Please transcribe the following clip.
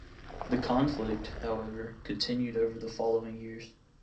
The conflict, however, continued over the following years.